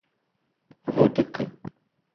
A ve o te ke ?